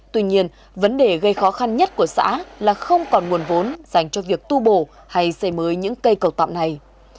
tuy nhiên vấn đề gây khó khăn nhất của xã là không còn nguồn vốn dành cho việc tu bổ hay xây mới những cây cầu tạm này